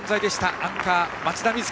アンカー、松田瑞生。